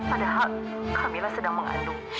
padahal kamila sedang mengandung